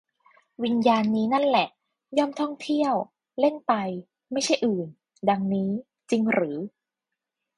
วิญญาณนี้นั่นแหละ ย่อมท่องเที่ยว เล่นไป ไม่ใช่อื่น ดังนี้ จริงหรือ